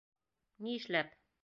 Ни эшләп?